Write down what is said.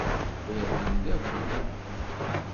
Berlin d afelleq.